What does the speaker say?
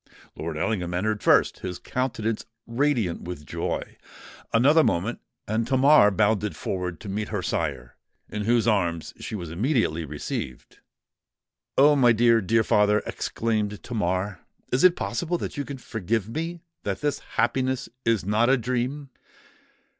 Lord Ellingham entered first—his countenance radiant with joy. Another moment—and Tamar bounded forward to meet her sire, in whose arms she was immediately received. "Oh! my dear—dear father!" exclaimed Tamar; "is it possible that you can forgive me—that this happiness is not a dream?"